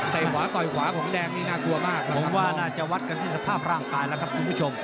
แต่หว่าก๋อยหวาผมแดงนี่หน้ากลัวมากค่ะคุณผู้ชม